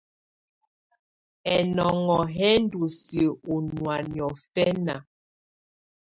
Ɛnɔŋɔ́ yɛ́ ndɔ́ siǝ́ ɔ́ nɑ́á niɔ̀fɛna.